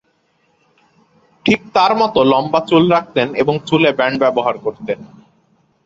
ঠিক তাঁর মতো লম্বা চুল রাখতেন এবং চুলে ব্যান্ড ব্যবহার করতেন।